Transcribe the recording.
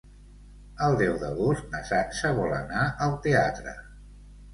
El deu d'agost na Sança vol anar al teatre.